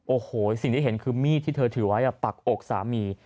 โอ้โหสิ่งที่เห็นคือมีดที่เธอถือไว้ปักอกสามี